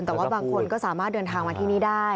แต่ว่าบางคนก็สามารถเดินทางมาที่นี่ได้